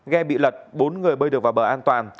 ghe bị lật bốn người bơi được vào bờ an toàn